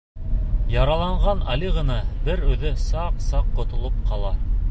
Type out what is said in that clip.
Яраланған Али ғына бер үҙе саҡ-саҡ ҡотолоп ҡала.